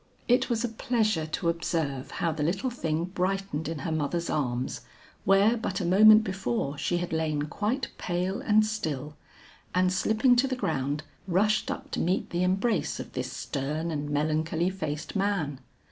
It was a pleasure to observe how the little thing brightened in her mother's arms, where but a moment before she had lain quite pale and still, and slipping to the ground rushed up to meet the embrace of this stern and melancholy faced man.